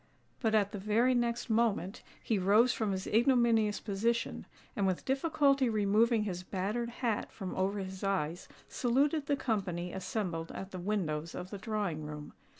But at the very next moment he rose from his ignominious position, and with difficulty removing his battered hat from over his eyes, saluted the company assembled at the windows of the drawing room.